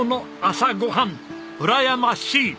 うらやましい！